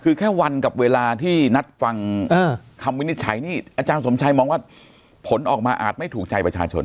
คือแค่วันกับเวลาที่นัดฟังคำวินิจฉัยนี่อาจารย์สมชัยมองว่าผลออกมาอาจไม่ถูกใจประชาชน